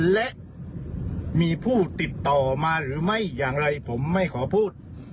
และมีผู้ติดต่อมาหรือไม่อย่างไรผมไม่ขอพูด